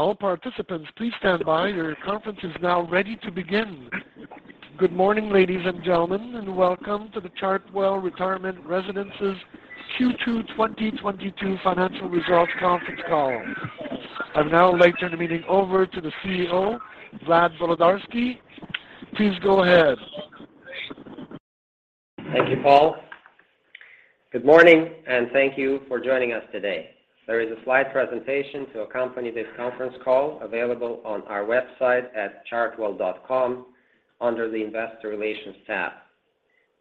All participants, please stand by. Your conference is now ready to begin. Good morning, ladies and gentlemen, and welcome to the Chartwell Retirement Residences Q2 2022 financial results conference call. I'd now like to turn the meeting over to the CEO, Vlad Volodarsky. Please go ahead. Thank you, Paul. Good morning, and thank you for joining us today. There is a slide presentation to accompany this conference call available on our website at chartwell.com under the Investor Relations tab.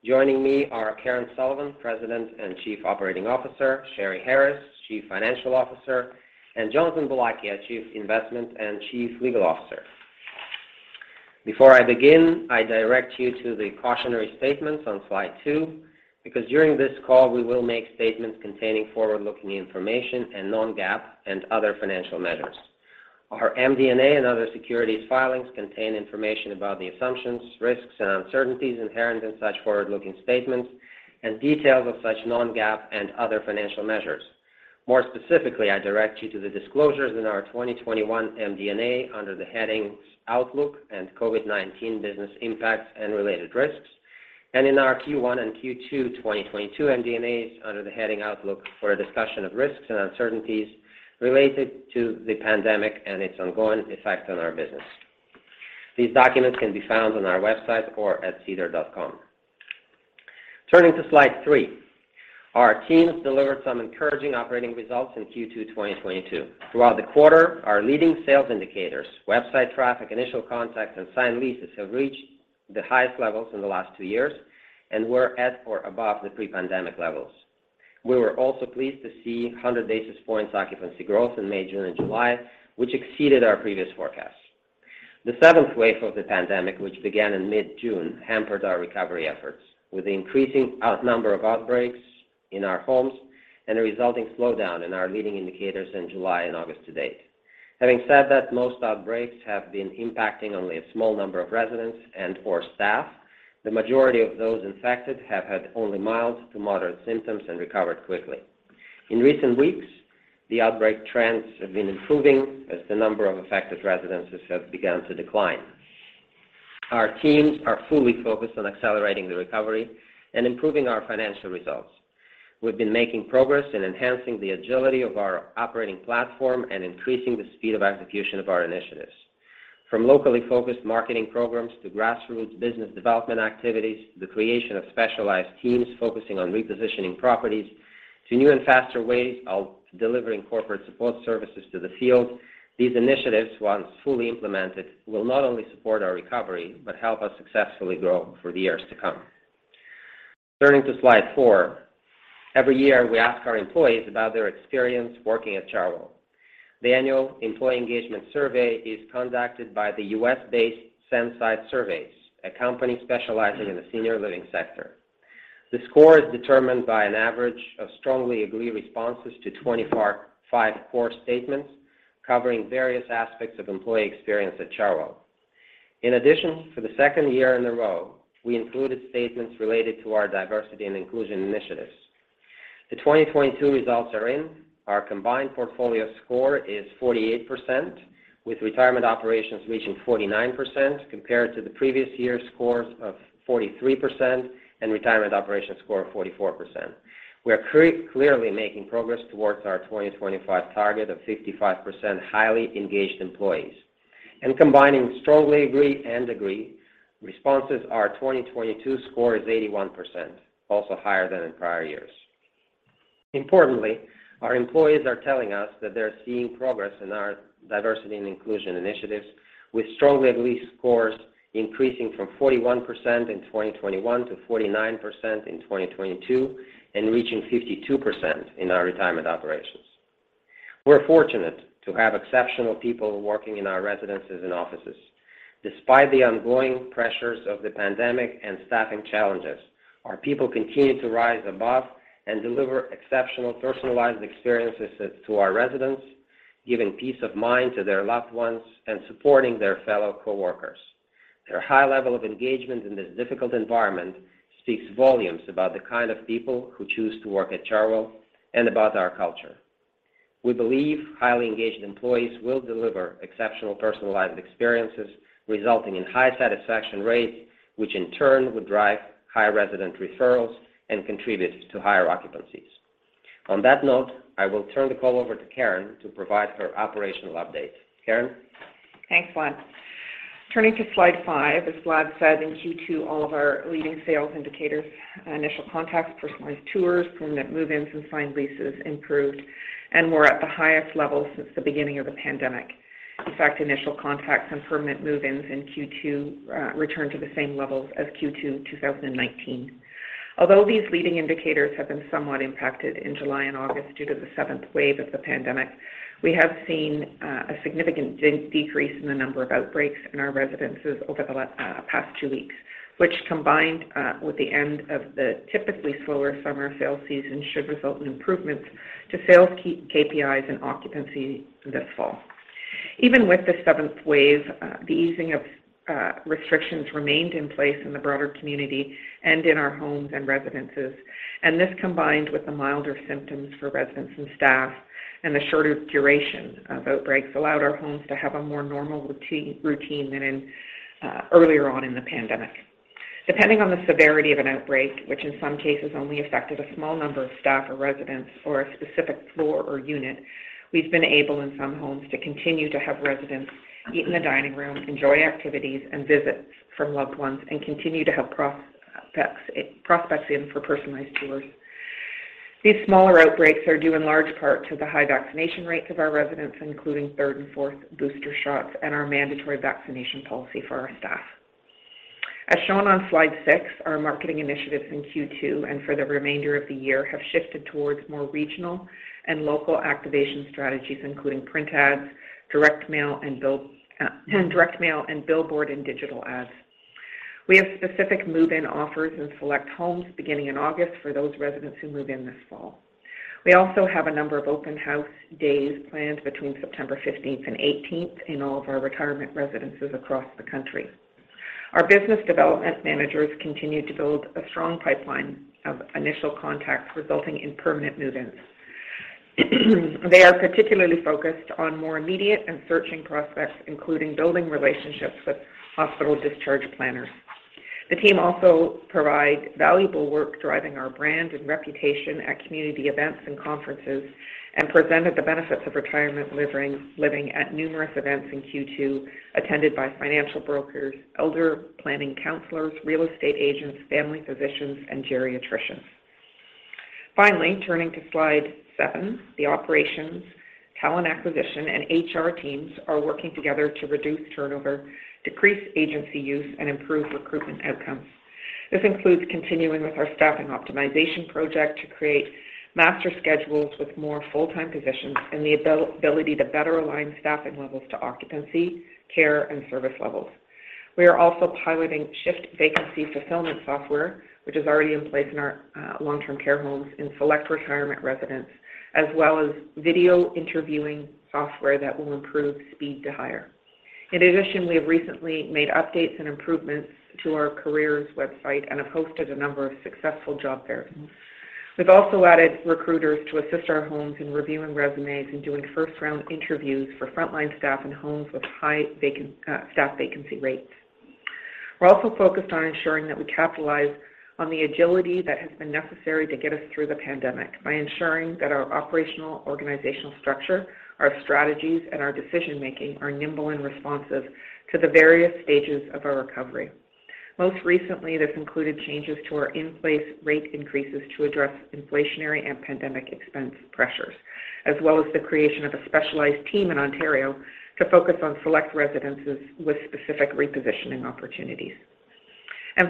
Joining me are Karen Sullivan, President and Chief Operating Officer, Sheri Harris, CFO, and Jonathan Boulakia, our Chief Investment and Chief Legal Officer. Before I begin, I direct you to the cautionary statements on slide two, because during this call, we will make statements containing forward-looking information and non-GAAP and other financial measures. Our MD&A and other securities filings contain information about the assumptions, risks, and uncertainties inherent in such forward-looking statements and details of such non-GAAP and other financial measures. More specifically, I direct you to the disclosures in our 2021 MD&A under the headings Outlook and COVID-19 Business Impacts and Related Risks, and in our Q1 and Q2 2022 MD&As under the heading Outlook for a discussion of risks and uncertainties related to the pandemic and its ongoing effect on our business. These documents can be found on our website or at sedar.com. Turning to slide three. Our teams delivered some encouraging operating results in Q2 2022. Throughout the quarter, our leading sales indicators, website traffic, initial contacts, and signed leases have reached the highest levels in the last two years and were at or above the pre-pandemic levels. We were also pleased to see 100 basis points occupancy growth in May, June, and July, which exceeded our previous forecast. The seventh wave of the pandemic, which began in mid-June, hampered our recovery efforts with the increasing number of outbreaks in our homes and a resulting slowdown in our leading indicators in July and August to date. Having said that, most outbreaks have been impacting only a small number of residents and or staff. The majority of those infected have had only mild to moderate symptoms and recovered quickly. In recent weeks, the outbreak trends have been improving as the number of affected residences have begun to decline. Our teams are fully focused on accelerating the recovery and improving our financial results. We've been making progress in enhancing the agility of our operating platform and increasing the speed of execution of our initiatives. From locally focused marketing programs to grassroots business development activities, the creation of specialized teams focusing on repositioning properties to new and faster ways of delivering corporate support services to the field, these initiatives, once fully implemented, will not only support our recovery, but help us successfully grow for the years to come. Turning to slide four. Every year, we ask our employees about their experience working at Chartwell. The annual employee engagement survey is conducted by the U.S.-based Activated Insights, a company specializing in the senior living sector. The score is determined by an average of strongly agree responses to 24-5 core statements covering various aspects of employee experience at Chartwell. In addition, for the second year in a row, we included statements related to our diversity and inclusion initiatives. The 2022 results are in. Our combined portfolio score is 48%, with retirement operations reaching 49%, compared to the previous year's scores of 43% and retirement operations score of 44%. We are clearly making progress towards our 2025 target of 55% highly engaged employees. Combining strongly agree and agree responses, our 2022 score is 81%, also higher than in prior years. Importantly, our employees are telling us that they're seeing progress in our diversity and inclusion initiatives, with strongly agree scores increasing from 41% in 2021 to 49% in 2022 and reaching 52% in our retirement operations. We're fortunate to have exceptional people working in our residences and offices. Despite the ongoing pressures of the pandemic and staffing challenges, our people continue to rise above and deliver exceptional personalized experiences to our residents, giving peace of mind to their loved ones, and supporting their fellow coworkers. Their high level of engagement in this difficult environment speaks volumes about the kind of people who choose to work at Chartwell and about our culture. We believe highly engaged employees will deliver exceptional personalized experiences resulting in high satisfaction rates, which in turn will drive high resident referrals and contribute to higher occupancies. On that note, I will turn the call over to Karen to provide her operational update. Karen? Thanks, Vlad. Turning to slide five, as Vlad said, in Q2, all of our leading sales indicators, initial contacts, personalized tours, permanent move-ins, and signed leases improved and were at the highest level since the beginning of the pandemic. In fact, initial contacts and permanent move-ins in Q2 returned to the same levels as Q2 2019. Although these leading indicators have been somewhat impacted in July and August due to the seventh wave of the pandemic, we have seen a significant decrease in the number of outbreaks in our residences over the past two weeks, which combined with the end of the typically slower summer sales season, should result in improvements to sales KPIs and occupancy this fall. Even with the seventh wave, the easing of restrictions remained in place in the broader community and in our homes and residences. This combined with the milder symptoms for residents and staff and the shorter duration of outbreaks allowed our homes to have a more normal routine than in earlier on in the pandemic. Depending on the severity of an outbreak, which in some cases only affected a small number of staff or residents or a specific floor or unit, we've been able in some homes to continue to have residents eat in the dining room, enjoy activities and visits from loved ones, and continue to have prospects in for personalized tours. These smaller outbreaks are due in large part to the high vaccination rates of our residents, including third and fourth booster shots, and our mandatory vaccination policy for our staff. As shown on slide six, our marketing initiatives in Q2 and for the remainder of the year have shifted towards more regional and local activation strategies, including print ads, direct mail, billboard, and digital ads. We have specific move-in offers in select homes beginning in August for those residents who move in this fall. We also have a number of open house days planned between September fifteenth and eighteenth in all of our retirement residences across the country. Our business development managers continue to build a strong pipeline of initial contacts, resulting in permanent move-ins. They are particularly focused on more immediate and searching prospects, including building relationships with hospital discharge planners. The team also provide valuable work driving our brand and reputation at community events and conferences, and presented the benefits of retirement living at numerous events in Q2 attended by financial brokers, elder planning counselors, real estate agents, family physicians, and geriatricians. Finally, turning to slide seven, the operations, talent acquisition and HR teams are working together to reduce turnover, decrease agency use, and improve recruitment outcomes. This includes continuing with our staffing optimization project to create master schedules with more full-time positions and the ability to better align staffing levels to occupancy, care, and service levels. We are also piloting shift vacancy fulfillment software, which is already in place in our long-term care homes in select retirement residences, as well as video interviewing software that will improve speed to hire. In addition, we have recently made updates and improvements to our careers website and have hosted a number of successful job fairs. We've also added recruiters to assist our homes in reviewing resumes and doing first round interviews for frontline staff in homes with high staff vacancy rates. We're also focused on ensuring that we capitalize on the agility that has been necessary to get us through the pandemic by ensuring that our operational organizational structure, our strategies, and our decision making are nimble and responsive to the various stages of our recovery. Most recently, this included changes to our in-place rate increases to address inflationary and pandemic expense pressures, as well as the creation of a specialized team in Ontario to focus on select residences with specific repositioning opportunities.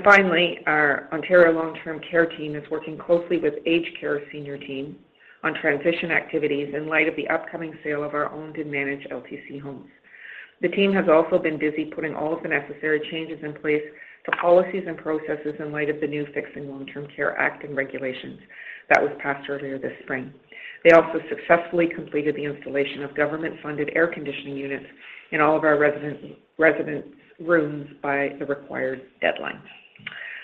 Finally, our Ontario Long-Term Care team is working closely with AgeCare senior team on transition activities in light of the upcoming sale of our owned and managed LTC homes. The team has also been busy putting all of the necessary changes in place for policies and processes in light of the new Fixing Long-Term Care Act and regulations that was passed earlier this spring. They also successfully completed the installation of government-funded air conditioning units in all of our residents' rooms by the required deadlines.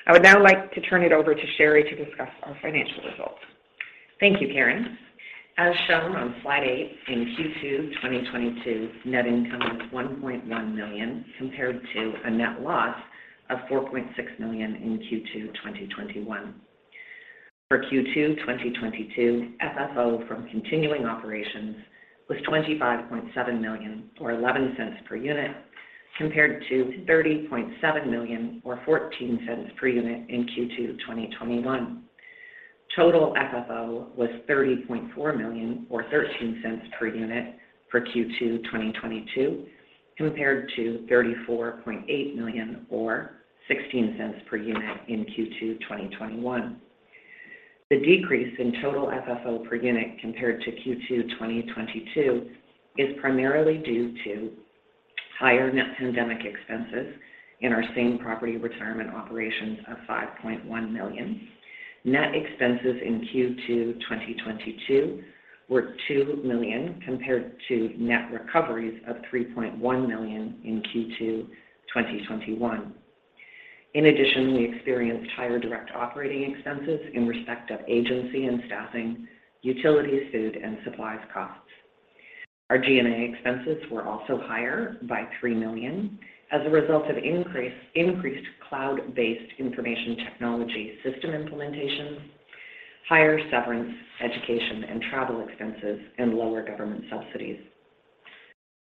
I would now like to turn it over to Sheri to discuss our financial results. Thank you, Karen. As shown on slide eight, in Q2 2022, net income was 1.1 million, compared to a net loss of 4.6 million in Q2 2021. For Q2 2022, FFO from continuing operations was 25.7 million, or 0.11 per unit, compared to 30.7 million or 0.14 per unit in Q2 2021. Total FFO was 30.4 million or 0.13 per unit for Q2 2022, compared to 34.8 million or 0.16 per unit in Q2 2021. The decrease in total FFO per unit compared to Q2 2021 is primarily due to higher net pandemic expenses in our same property retirement operations of 5.1 million. Net expenses in Q2 2022 were 2 million, compared to net recoveries of 3.1 million in Q2 2021. In addition, we experienced higher direct operating expenses in respect of agency and staffing, utilities, food, and supplies costs. Our G&A expenses were also higher by 3 million as a result of increased cloud-based information technology system implementations, higher severance, education and travel expenses, and lower government subsidies.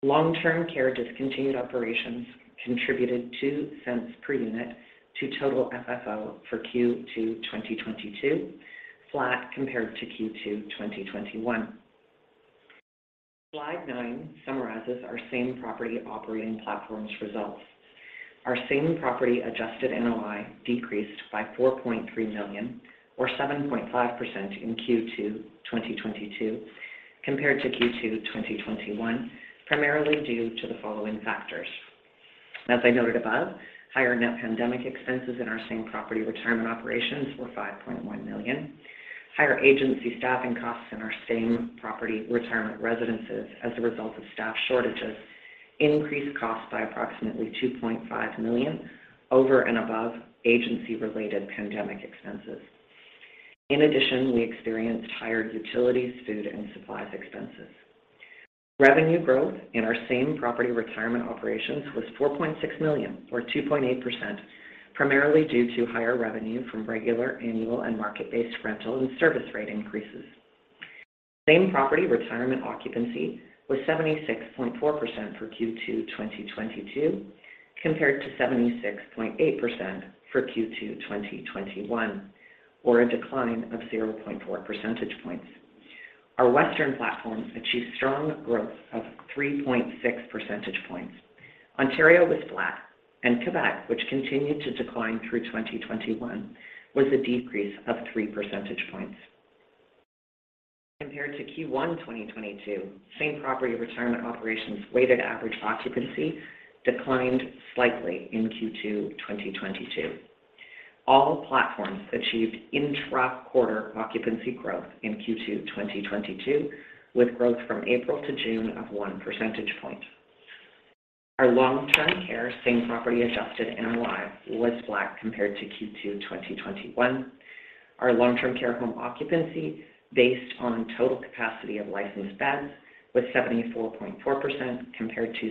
Long-term care discontinued operations contributed 0.02 per unit to total FFO for Q2 2022, flat compared to Q2 2021. Slide nine summarizes our same-property operating performance results. Our same-property adjusted NOI decreased by 4.3 million, or 7.5% in Q2 2022 compared to Q2 2021, primarily due to the following factors. As I noted above, higher net pandemic expenses in our same-property retirement operations were 5.1 million. Higher agency staffing costs in our same-property retirement residences as a result of staff shortages increased costs by approximately 2.5 million over and above agency-related pandemic expenses. In addition, we experienced higher utilities, food, and supplies expenses. Revenue growth in our same-property retirement operations was 4.6 million or 2.8%, primarily due to higher revenue from regular, annual, and market-based rental and service rate increases. Same-property retirement occupancy was 76.4% for Q2 2022, compared to 76.8% for Q2 2021, or a decline of 0.4 percentage points. Our western platform achieved strong growth of 3.6 percentage points. Ontario was flat, and Quebec, which continued to decline through 2021, was a decrease of 3 percentage points. Compared to Q1 2022, same-property retirement operations weighted average occupancy declined slightly in Q2 2022. All platforms achieved intra-quarter occupancy growth in Q2 2022, with growth from April to June of one percentage point. Our long-term care same-property adjusted NOI was flat compared to Q2 2021. Our long-term care home occupancy based on total capacity of licensed beds was 74.4% compared to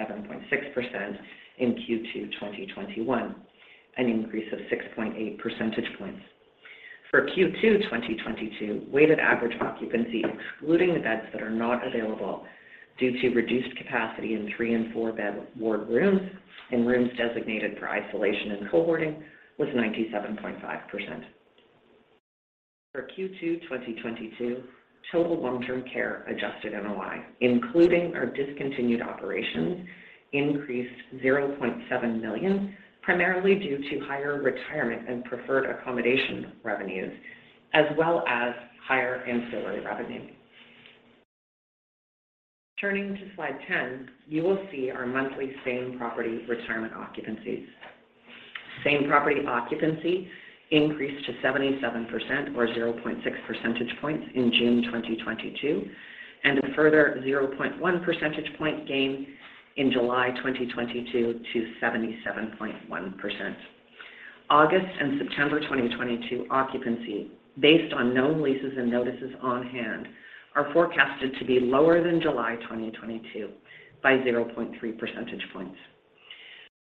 67.6% in Q2 2021, an increase of 6.8 percentage points. For Q2 2022, weighted average occupancy, excluding the beds that are not available due to reduced capacity in three and four-bed ward rooms and rooms designated for isolation and cohorting, was 97.5%. For Q2 2022, total long-term care adjusted NOI, including our discontinued operations, increased 0.7 million, primarily due to higher retirement and preferred accommodation revenues, as well as higher ancillary revenue. Turning to slide 10, you will see our monthly same-property retirement occupancies. Same-property occupancy increased to 77% or 0.6 percentage points in June 2022, and a further 0.1 percentage point gain in July 2022 to 77.1%. August and September 2022 occupancy based on known leases and notices on hand are forecasted to be lower than July 2022 by 0.3 percentage points.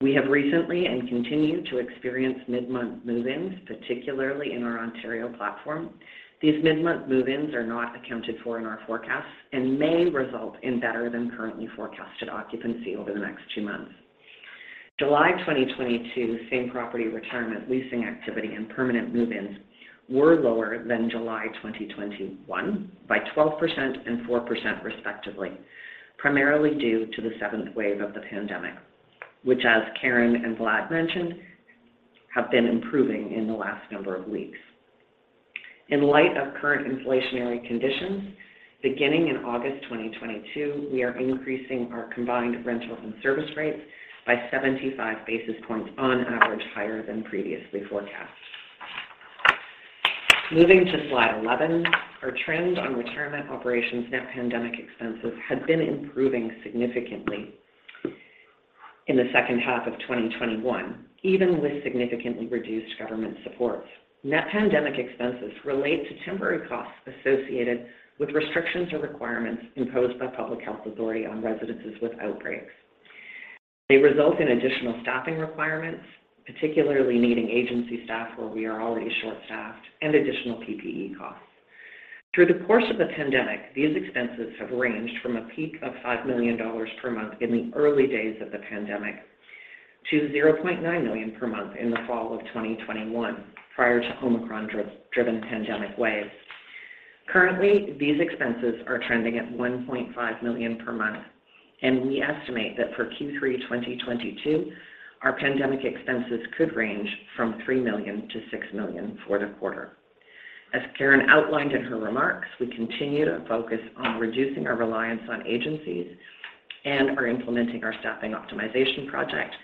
We have recently and continue to experience mid-month move-ins, particularly in our Ontario platform. These mid-month move-ins are not accounted for in our forecast and may result in better than currently forecasted occupancy over the next two months. July 2022 same-property retirement leasing activity and permanent move-ins were lower than July 2021 by 12% and 4% respectively, primarily due to the seventh wave of the pandemic, which, as Karen and Vlad mentioned, have been improving in the last number of weeks. In light of current inflationary conditions, beginning in August 2022, we are increasing our combined rental and service rates by 75 basis points on average higher than previously forecast. Moving to slide 11, our trend on retirement operations net pandemic expenses had been improving significantly in the second half of 2021, even with significantly reduced government support. Net pandemic expenses relate to temporary costs associated with restrictions or requirements imposed by public health authority on residences with outbreaks. They result in additional staffing requirements, particularly needing agency staff where we are already short-staffed, and additional PPE costs. Through the course of the pandemic, these expenses have ranged from a peak of 5 million dollars per month in the early days of the pandemic to 0.9 million per month in the fall of 2021, prior to Omicron-driven pandemic wave. Currently, these expenses are trending at 1.5 million per month, and we estimate that for Q3 2022, our pandemic expenses could range from 3 million to 6 million for the quarter. As Karen outlined in her remarks, we continue to focus on reducing our reliance on agencies and are implementing our staffing optimization project,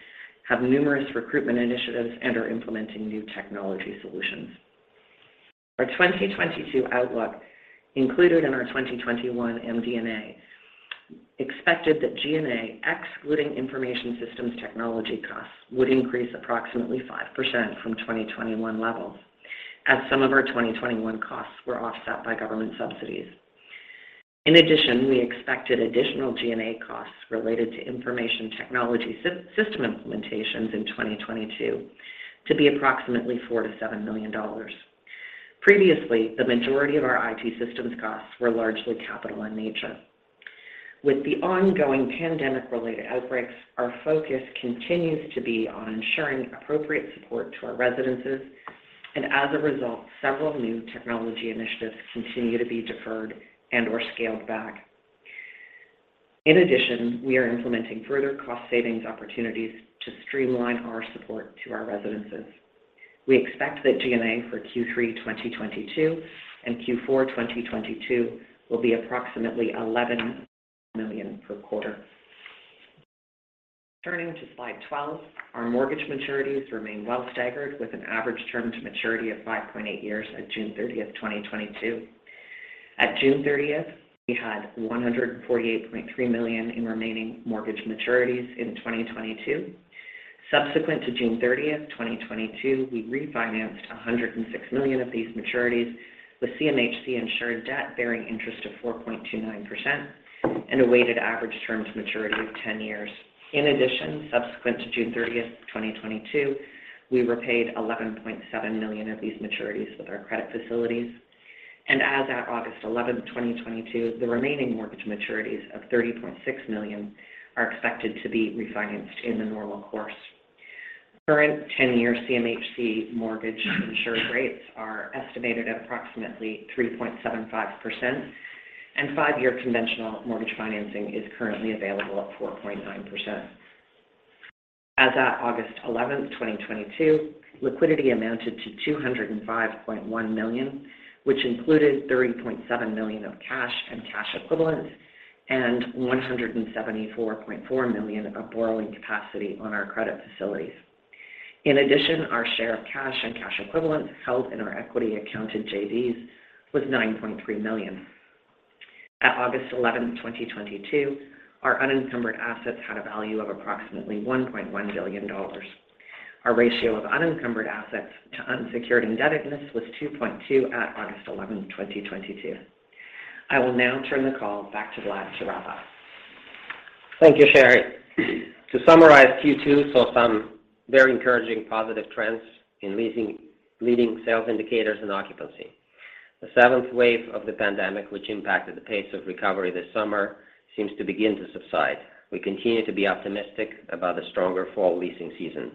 have numerous recruitment initiatives, and are implementing new technology solutions. Our 2022 outlook, included in our 2021 MD&A, expected that G&A, excluding information systems technology costs, would increase approximately 5% from 2021 levels, as some of our 2021 costs were offset by government subsidies. In addition, we expected additional G&A costs related to information technology system implementations in 2022 to be approximately 4 million-7 million dollars. Previously, the majority of our IT systems costs were largely capital in nature. With the ongoing pandemic-related outbreaks, our focus continues to be on ensuring appropriate support to our residences, and as a result, several new technology initiatives continue to be deferred and/or scaled back. In addition, we are implementing further cost savings opportunities to streamline our support to our residences. We expect that G&A for Q3 2022 and Q4 2022 will be approximately 11 million per quarter. Turning to slide 12, our mortgage maturities remain well staggered, with an average term to maturity of 5.8 years at June 30, 2022. At June 30, 2022, we had 148.3 million in remaining mortgage maturities in 2022. Subsequent to June 30, 2022, we refinanced 106 million of these maturities with CMHC insured debt bearing interest of 4.29% and a weighted average term to maturity of 10 years. In addition, subsequent to June 30, 2022, we repaid 11.7 million of these maturities with our credit facilities. As at August 11, 2022, the remaining mortgage maturities of 30.6 million are expected to be refinanced in the normal course. Current 10-year CMHC mortgage insured rates are estimated at approximately 3.75%, and five-year conventional mortgage financing is currently available at 4.9%. As at August eleventh, 2022, liquidity amounted to 205.1 million, which included 30.7 million of cash and cash equivalents and 174.4 million of borrowing capacity on our credit facilities. In addition, our share of cash and cash equivalents held in our equity accounted JVs was 9.3 million. At August eleventh, 2022, our unencumbered assets had a value of approximately 1.1 billion dollars. Our ratio of unencumbered assets to unsecured indebtedness was 2.2 at August eleventh, 2022. I will now turn the call back to Vlad Volodarski. Thank you, Sheri. To summarize, Q2 saw some very encouraging positive trends in leasing, leading sales indicators and occupancy. The seventh wave of the pandemic, which impacted the pace of recovery this summer, seems to begin to subside. We continue to be optimistic about a stronger fall leasing season.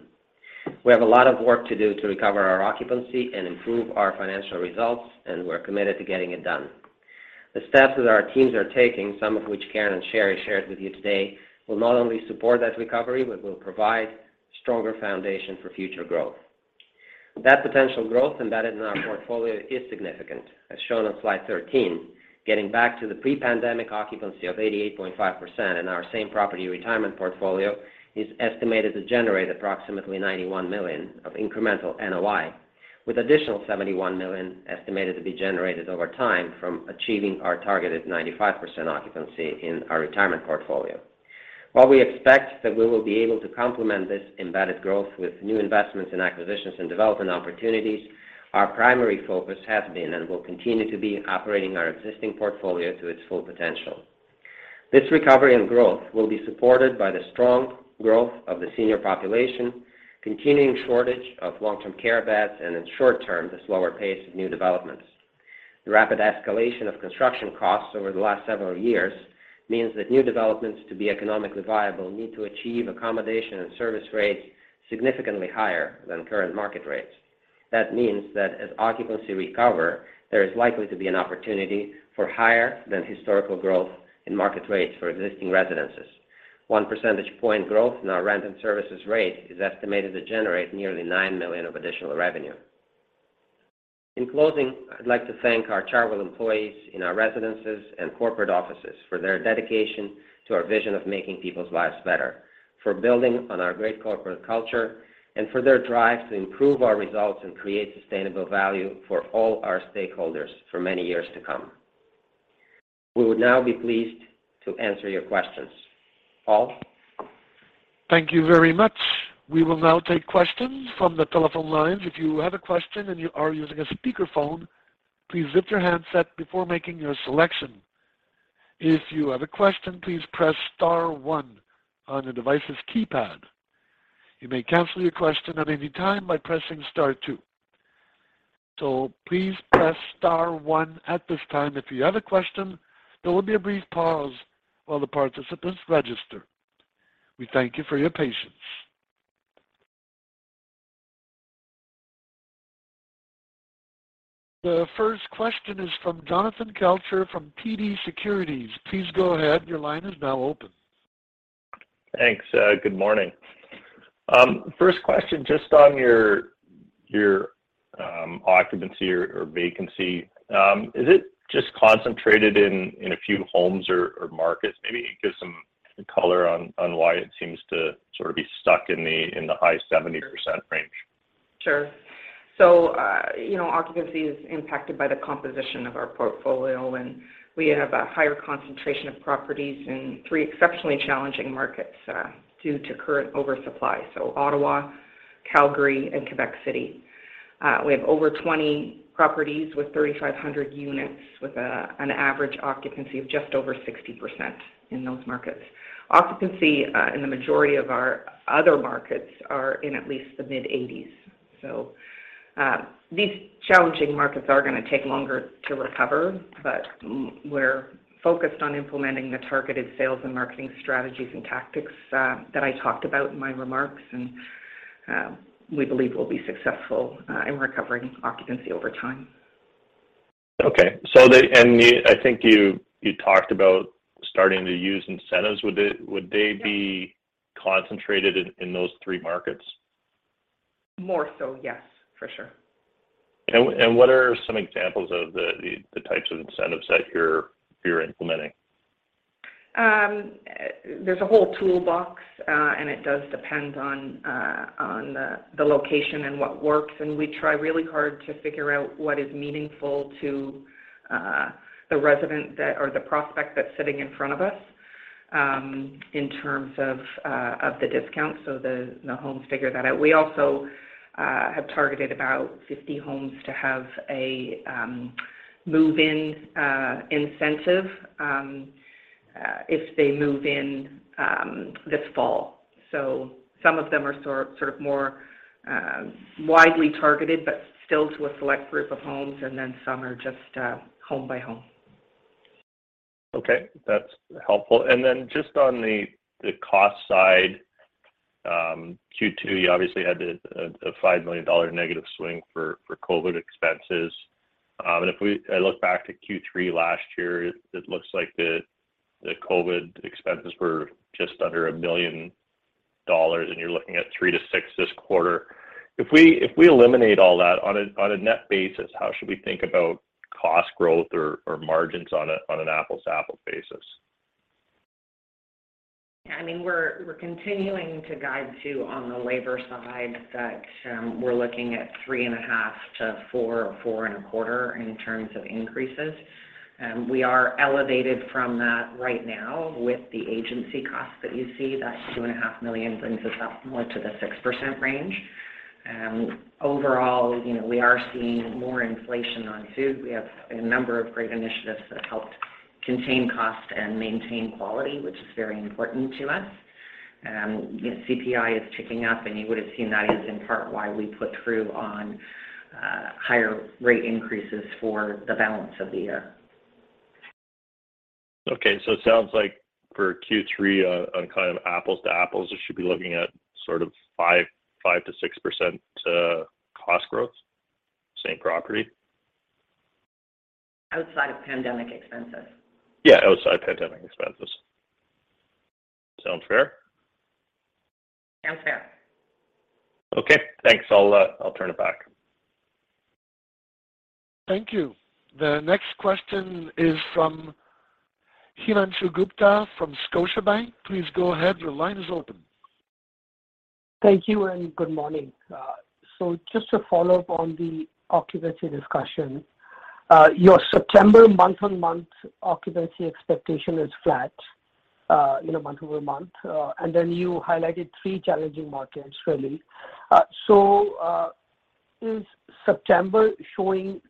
We have a lot of work to do to recover our occupancy and improve our financial results, and we're committed to getting it done. The steps that our teams are taking, some of which Karen and Sheri shared with you today, will not only support that recovery, but will provide stronger foundation for future growth. That potential growth embedded in our portfolio is significant, as shown on slide 13. Getting back to the pre-pandemic occupancy of 88.5% in our same property retirement portfolio is estimated to generate approximately 91 million of incremental NOI, with additional 71 million estimated to be generated over time from achieving our targeted 95% occupancy in our retirement portfolio. While we expect that we will be able to complement this embedded growth with new investments in acquisitions and development opportunities, our primary focus has been, and will continue to be operating our existing portfolio to its full potential. This recovery and growth will be supported by the strong growth of the senior population, continuing shortage of long-term care beds, and in the short term, the slower pace of new developments. The rapid escalation of construction costs over the last several years means that new developments to be economically viable need to achieve accommodation and service rates significantly higher than current market rates. That means that as occupancy recovers, there is likely to be an opportunity for higher than historical growth in market rates for existing residences. One percentage point growth in our rent and services rate is estimated to generate nearly 9 million of additional revenue. In closing, I'd like to thank our Chartwell employees in our residences and corporate offices for their dedication to our vision of making people's lives better, for building on our great corporate culture, and for their drive to improve our results and create sustainable value for all our stakeholders for many years to come. We would now be pleased to answer your questions. Paul? Thank you very much. We will now take questions from the telephone lines. If you have a question and you are using a speakerphone, please mute your handset before making your selection. If you have a question, please press star one on the device's keypad. You may cancel your question at any time by pressing star two. Please press star one at this time if you have a question. There will be a brief pause while the participants register. We thank you for your patience. The first question is from Jonathan Kelcher from TD Securities. Please go ahead. Your line is now open. Thanks. Good morning. First question, just on your occupancy or vacancy. Is it just concentrated in a few homes or markets? Maybe give some color on why it seems to sort of be stuck in the high 70% range. Sure. You know, occupancy is impacted by the composition of our portfolio, and we have a higher concentration of properties in three exceptionally challenging markets due to current oversupply. Ottawa, Calgary and Quebec City. We have over 20 properties with 3,500 units with an average occupancy of just over 60% in those markets. Occupancy in the majority of our other markets are in at least the mid-80s. These challenging markets are gonna take longer to recover, but we're focused on implementing the targeted sales and marketing strategies and tactics that I talked about in my remarks. We believe we'll be successful in recovering occupancy over time. I think you talked about starting to use incentives. Would they be? Yeah concentrated in those three markets? More so, yes, for sure. What are some examples of the types of incentives that you're implementing? There's a whole toolbox, and it does depend on the location and what works, and we try really hard to figure out what is meaningful to the resident or the prospect that's sitting in front of us, in terms of the discount. The homes figure that out. We also have targeted about 50 homes to have a move-in incentive if they move in this fall. Some of them are sort of more widely targeted, but still to a select group of homes, and then some are just home by home. Okay, that's helpful. Then just on the cost side, Q2, you obviously had a 5 million dollar negative swing for COVID expenses. I look back to Q3 last year, it looks like the COVID expenses were just under 1 million dollars, and you're looking at 3 million-6 million this quarter. If we eliminate all that, on a net basis, how should we think about cost growth or margins on an apples-to-apples basis? I mean, we're continuing to guide to on the labor side that we're looking at 3.5% to 4% or 4.25% in terms of increases. We are elevated from that right now with the agency costs that you see. That 2.5 million brings us up more to the 6% range. Overall, you know, we are seeing more inflation on food. We have a number of great initiatives that helped contain cost and maintain quality, which is very important to us. CPI is ticking up, and you would've seen that is in part why we put through on higher rate increases for the balance of the year. Okay. It sounds like for Q3 on, kind of apples to apples, we should be looking at sort of 5%-6% cost growth, same property? Outside of pandemic expenses. Yeah, outside pandemic expenses. Sounds fair? Sounds fair. Okay. Thanks. I'll turn it back. Thank you. The next question is from Himanshu Gupta from Scotiabank. Please go ahead. Your line is open. Thank you, and good morning. Just to follow up on the occupancy discussion, your September month-over-month occupancy expectation is flat, you know, month-over-month. You highlighted three challenging markets really. Is September showing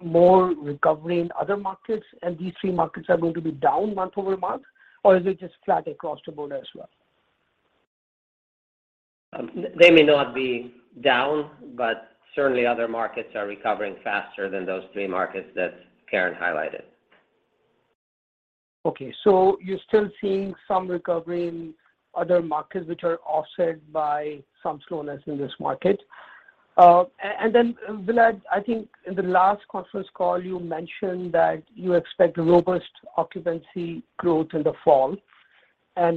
more recovery in other markets, and these three markets are going to be down month-over-month, or is it just flat across the board as well? They may not be down, but certainly other markets are recovering faster than those three markets that Karen highlighted. Okay. You're still seeing some recovery in other markets which are offset by some slowness in this market. Vlad, I think in the last conference call, you mentioned that you expect robust occupancy growth in the fall.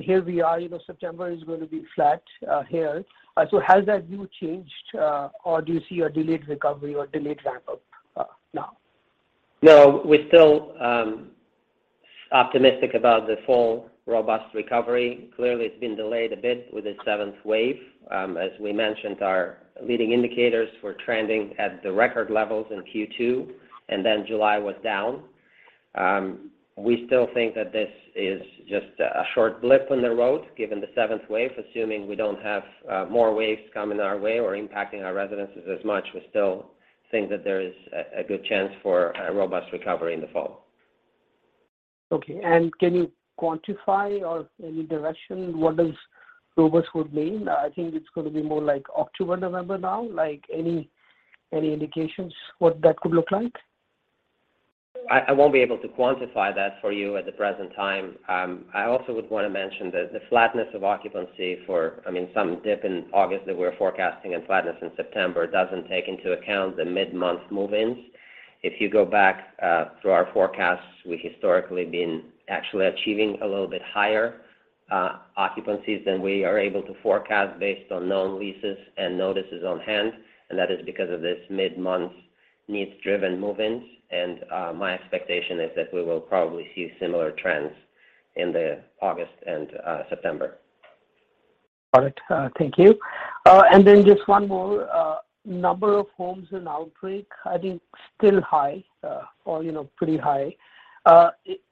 Here we are, you know, September is going to be flat here. Has that view changed, or do you see a delayed recovery or delayed ramp-up now? No, we're still optimistic about the fall robust recovery. Clearly, it's been delayed a bit with the seventh wave. As we mentioned, our leading indicators were trending at the record levels in Q2, and then July was down. We still think that this is just a short blip on the road, given the seventh wave. Assuming we don't have more waves coming our way or impacting our residences as much, we still think that there is a good chance for a robust recovery in the fall. Okay. Can you quantify or any direction, what does robust would mean? I think it's gonna be more like October, November now. Like, any indications what that could look like? I won't be able to quantify that for you at the present time. I also would wanna mention that the flatness of occupancy for, I mean, some dip in August that we're forecasting and flatness in September doesn't take into account the mid-month move-ins. If you go back through our forecasts, we historically been actually achieving a little bit higher occupancies than we are able to forecast based on known leases and notices on hand, and that is because of this mid-month needs-driven move-ins. My expectation is that we will probably see similar trends in the August and September. Got it. Thank you. Then just one more. Number of homes in outbreak, I think still high, or, you know, pretty high.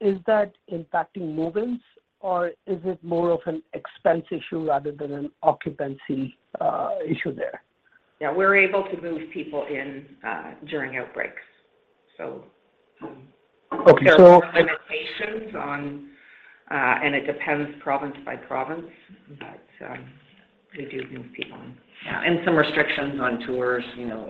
Is that impacting move-ins or is it more of an expense issue rather than an occupancy issue there? Yeah. We're able to move people in during outbreaks. Okay. There are limitations on, and it depends province by province, but we do move people in. Yeah. Some restrictions on tours, you know,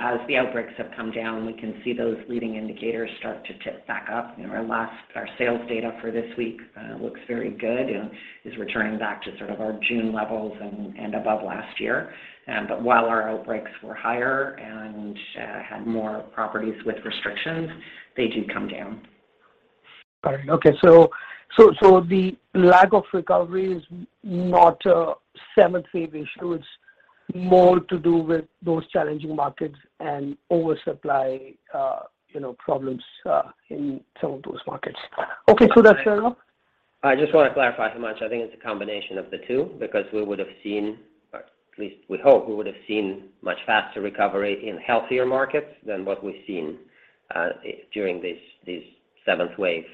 as the outbreaks have come down, we can see those leading indicators start to tick back up. You know, our sales data for this week looks very good and is returning back to sort of our June levels and above last year. While our outbreaks were higher and had more properties with restrictions, they do come down. All right. Okay. The lack of recovery is not a seventh wave issue. It's more to do with those challenging markets and oversupply, you know, problems in some of those markets. Okay. That's fair enough. I just want to clarify, Himanshu. I think it's a combination of the two because we would have seen, or at least we hope we would have seen much faster recovery in healthier markets than what we've seen during this seventh wave.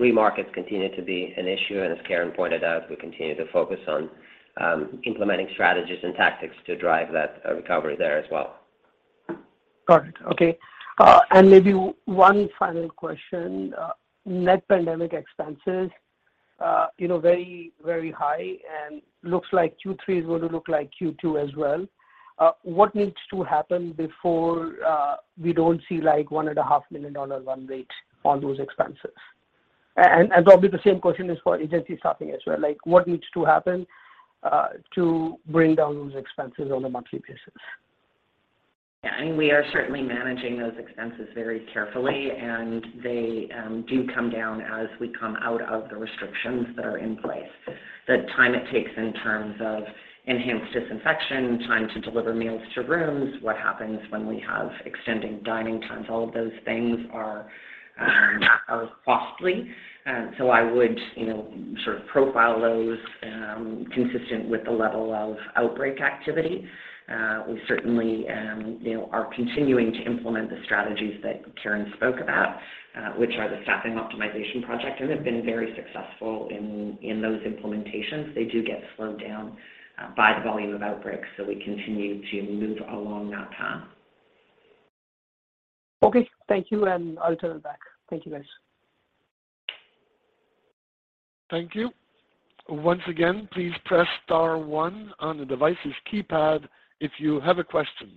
Three markets continue to be an issue, and as Karen pointed out, we continue to focus on implementing strategies and tactics to drive that recovery there as well. Got it. Okay. Maybe one final question. Net pandemic expenses, you know, very, very high and looks like Q3 is gonna look like Q2 as well. What needs to happen before we don't see, like, 1.5 million dollar run rate on those expenses? Probably the same question is for agency staffing as well. Like, what needs to happen to bring down those expenses on a monthly basis? Yeah. I mean, we are certainly managing those expenses very carefully, and they do come down as we come out of the restrictions that are in place. The time it takes in terms of enhanced disinfection, time to deliver meals to rooms, what happens when we have extended dining times, all of those things are costly. I would, you know, sort of profile those consistent with the level of outbreak activity. We certainly, you know, are continuing to implement the strategies that Karen spoke about, which are the staffing optimization project, and have been very successful in those implementations. They do get slowed down by the volume of outbreaks, so we continue to move along that path. Okay. Thank you, and I'll turn it back. Thank you, guys. Thank you. Once again, please press star one on the device's keypad if you have a question.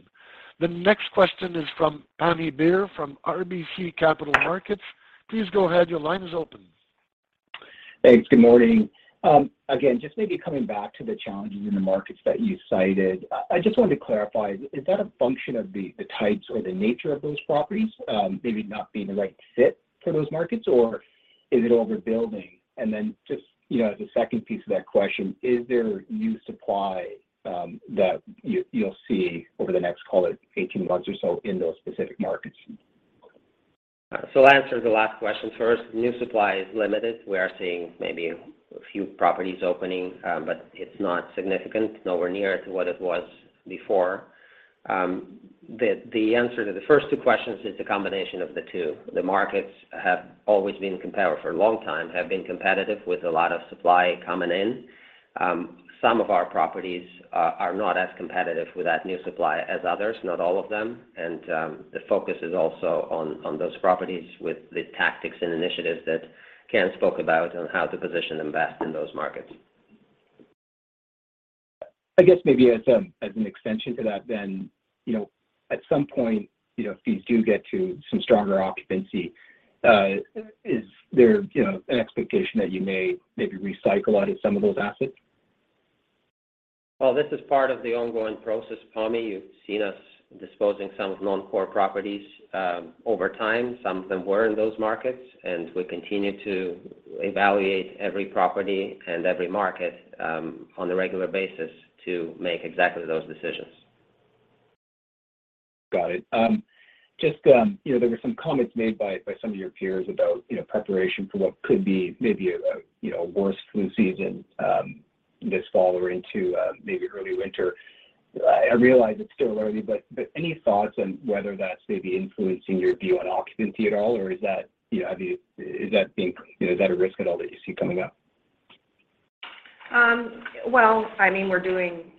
The next question is from Pammi Bir from RBC Capital Markets. Please go ahead. Your line is open. Thanks. Good morning. Again, just maybe coming back to the challenges in the markets that you cited. I just wanted to clarify, is that a function of the types or the nature of those properties, maybe not being the right fit for those markets, or is it overbuilding? Just, you know, as a second piece of that question, is there new supply that you'll see over the next, call it 18 months or so in those specific markets? I'll answer the last question first. New supply is limited. We are seeing maybe a few properties opening, but it's not significant. Nowhere near to what it was before. The answer to the first two questions is a combination of the two. The markets have always been competitive for a long time with a lot of supply coming in. Some of our properties are not as competitive with that new supply as others, not all of them. The focus is also on those properties with the tactics and initiatives that Karen Sullivan spoke about on how to position and invest in those markets. I guess maybe as an extension to that then, you know, at some point, you know, if you do get to some stronger occupancy, is there, you know, an expectation that you may maybe recycle out of some of those assets? Well, this is part of the ongoing process, Pammi. You've seen us disposing some non-core properties, over time. Some of them were in those markets, and we continue to evaluate every property and every market, on a regular basis to make exactly those decisions. Got it. Just, you know, there were some comments made by some of your peers about, you know, preparation for what could be maybe a worse flu season this fall or into maybe early winter. I realize it's still early, but any thoughts on whether that's maybe influencing your view on occupancy at all, or is that, you know, is that a risk at all that you see coming up? Well, I mean, we're doing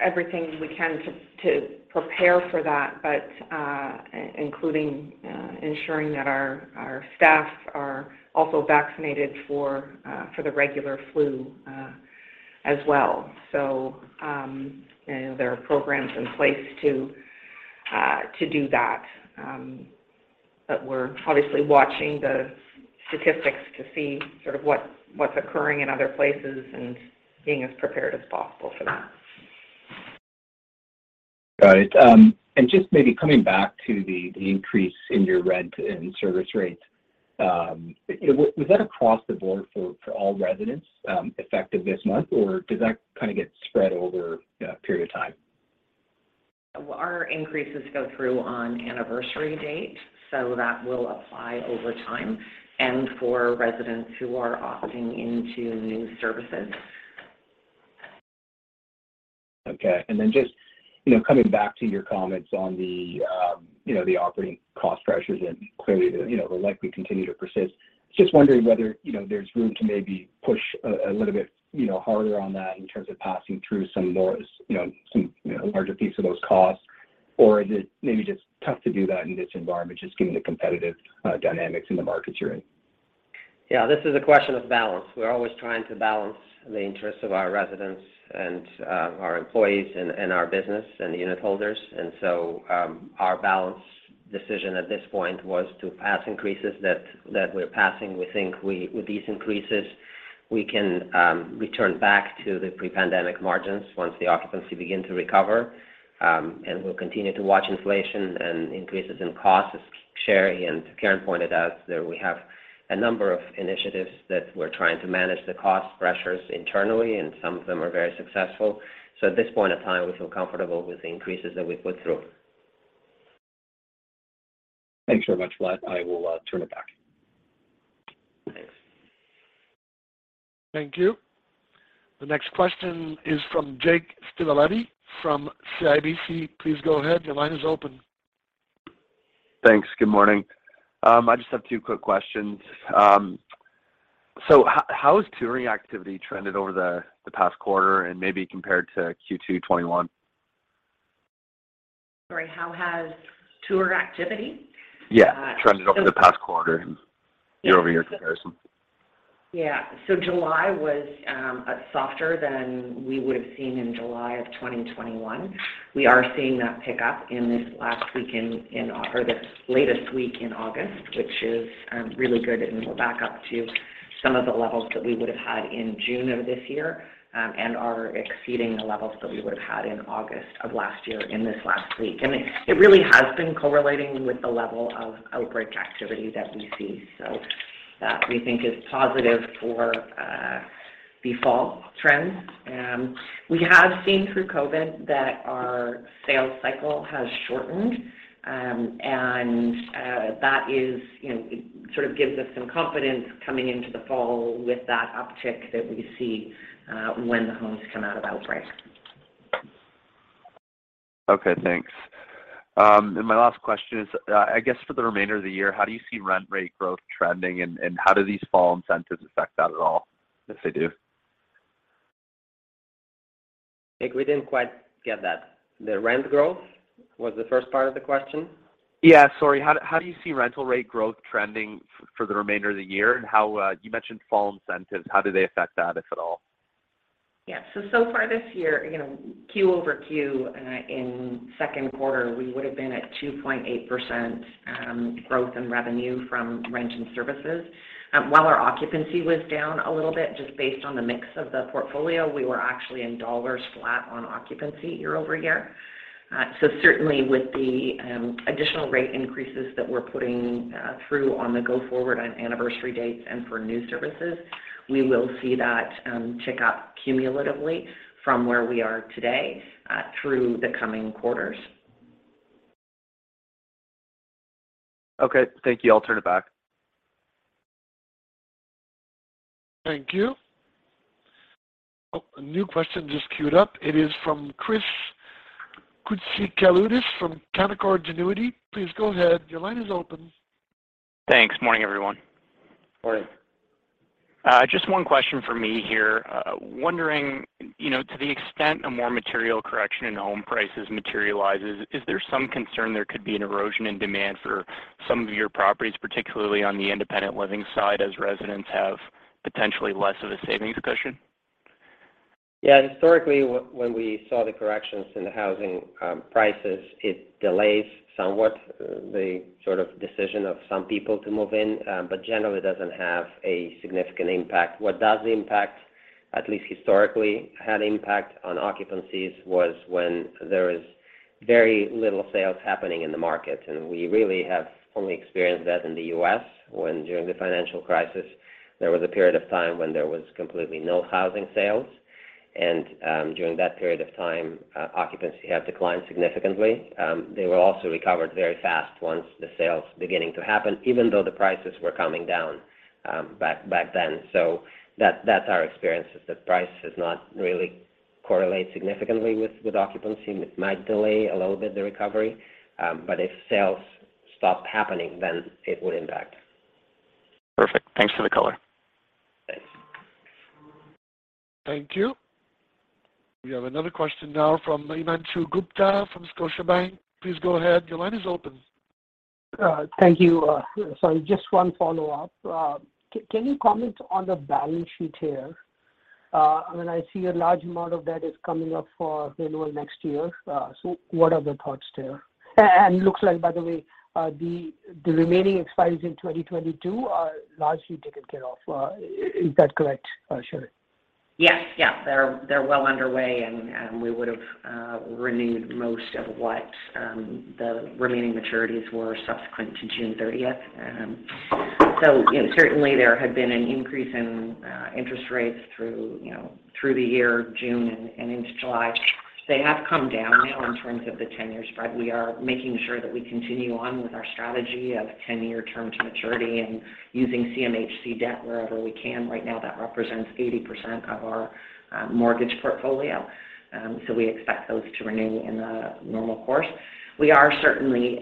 everything we can to prepare for that, including ensuring that our staff are also vaccinated for the regular flu as well. You know, there are programs in place to do that. We're obviously watching the statistics to see sort of what's occurring in other places and being as prepared as possible for that. Got it. Just maybe coming back to the increase in your rent and service rates, you know, was that across the board for all residents, effective this month, or does that kind of get spread over a period of time? Our increases go through on anniversary date, so that will apply over time and for residents who are opting into new services. Okay. Just, you know, coming back to your comments on the, you know, the operating cost pressures and clearly the, you know, will likely continue to persist. Just wondering whether, you know, there's room to maybe push a little bit, you know, harder on that in terms of passing through some more, you know, larger piece of those costs, or is it maybe just tough to do that in this environment, just given the competitive, dynamics in the markets you're in? Yeah. This is a question of balance. We're always trying to balance the interests of our residents and our employees and our business and the unitholders. Our balance decision at this point was to pass increases that we're passing. We think with these increases, we can return back to the pre-pandemic margins once the occupancy begin to recover. We'll continue to watch inflation and increases in costs. As Sheri and Karen pointed out, we have a number of initiatives that we're trying to manage the cost pressures internally, and some of them are very successful. At this point in time, we feel comfortable with the increases that we put through. Thanks very much for that. I will turn it back. Thank you. The next question is from Dean Wilkinson from CIBC. Please go ahead. Your line is open. Thanks. Good morning. I just have two quick questions. How has touring activity trended over the past quarter and maybe compared to Q2 2021? Sorry, how has tour activity? Yeah. Trended over the past quarter and year-over-year comparison. Yeah. July was softer than we would have seen in July of 2021. We are seeing that pick up in this latest week in August, which is really good, and we're back up to some of the levels that we would have had in June of this year, and are exceeding the levels that we would have had in August of last year in this last week. It really has been correlating with the level of outbreak activity that we see. That, we think, is positive for the fall trends. We have seen through COVID that our sales cycle has shortened. That is, you know, it sort of gives us some confidence coming into the fall with that uptick that we see when the homes come out of outbreak. Okay, thanks. My last question is, I guess for the remainder of the year, how do you see rent rate growth trending, and how do these fall incentives affect that at all, if they do? Dean Wilkinson, we didn't quite get that. The rent growth was the first part of the question. Yeah. Sorry. How do you see rental rate growth trending for the remainder of the year? How you mentioned fall incentives, how do they affect that, if at all? Yeah. So far this year, you know, Q-over-Q, in Q2, we would have been at 2.8% growth in revenue from rent and services. While our occupancy was down a little bit, just based on the mix of the portfolio, we were actually in dollars flat on occupancy year-over-year. Certainly with the additional rate increases that we're putting through on a go-forward on anniversary dates and for new services, we will see that tick up cumulatively from where we are today through the coming quarters. Okay, thank you. I'll turn it back. Thank you. Oh, a new question just queued up. It is from Chris Koutsikaloudis from Canaccord Genuity. Please go ahead. Your line is open. Thanks. Morning, everyone. Morning. Just one question for me here. Wondering, you know, to the extent a more material correction in home prices materializes, is there some concern there could be an erosion in demand for some of your properties, particularly on the independent living side, as residents have potentially less of a savings cushion? Yeah, historically, when we saw the corrections in the housing prices, it delays somewhat the sort of decision of some people to move in, but generally doesn't have a significant impact. What does impact, at least historically, had impact on occupancies was when there is very little sales happening in the market. We really have only experienced that in the U.S. when during the financial crisis, there was a period of time when there was completely no housing sales. During that period of time, occupancy had declined significantly. They were also recovered very fast once the sales beginning to happen, even though the prices were coming down, back then. That's our experience is that price does not really correlate significantly with occupancy. It might delay a little bit the recovery. If sales stop happening, then it would impact. Perfect. Thanks for the color. Thanks. Thank you. We have another question now from Himanshu Gupta from Scotiabank. Please go ahead. Your line is open. Thank you. Sorry, just one follow-up. Can you comment on the balance sheet here? I mean, I see a large amount of debt is coming up for renewal next year. What are the thoughts there? Looks like, by the way, the remaining expires in 2022 are largely taken care of. Is that correct, Sheri? Yes. Yeah. They're well underway, and we would have renewed most of what the remaining maturities were subsequent to June 30. You know, certainly there had been an increase in interest rates through the year, June and into July. They have come down now in terms of the ten-year spread. We are making sure that we continue on with our strategy of ten-year term to maturity and using CMHC debt wherever we can. Right now, that represents 80% of our mortgage portfolio. We expect those to renew in the normal course. We are certainly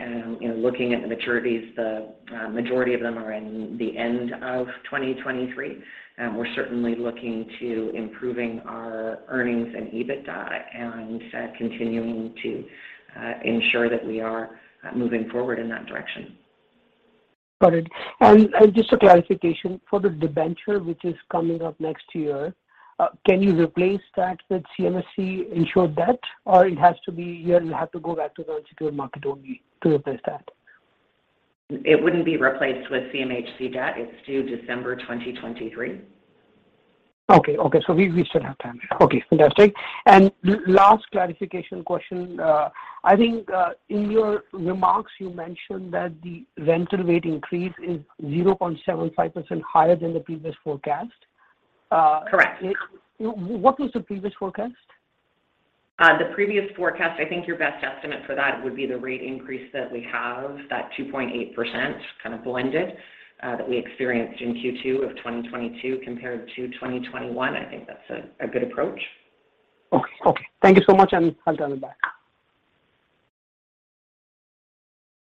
looking at the maturities. The majority of them are at the end of 2023. We're certainly looking to improving our earnings and EBITDA and continuing to ensure that we are moving forward in that direction. Got it. Just a clarification. For the debenture, which is coming up next year, can you replace that with CMHC insured debt, or it has to be you have to go back to the secured market only to replace that? It wouldn't be replaced with CMHC debt. It's due December 2023. Okay. We still have time. Okay, fantastic. Last clarification question. I think in your remarks, you mentioned that the rental rate increase is 0.75% higher than the previous forecast. Correct. What was the previous forecast? The previous forecast, I think your best estimate for that would be the rate increase that we have, that 2.8% kind of blended, that we experienced in Q2 of 2022 compared to 2021. I think that's a good approach. Okay. Thank you so much, and I'll turn it back.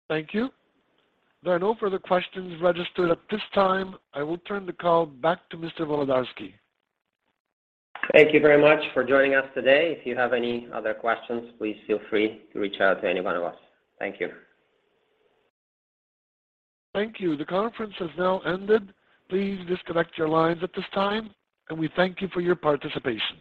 Thank you. There are no further questions registered at this time. I will turn the call back to Mr. Volodarski. Thank you very much for joining us today. If you have any other questions, please feel free to reach out to any one of us. Thank you. Thank you. The conference has now ended. Please disconnect your lines at this time, and we thank you for your participation.